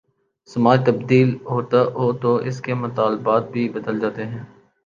سماج تبدیل ہو تو اس کے مطالبات بھی بدل جاتے ہیں۔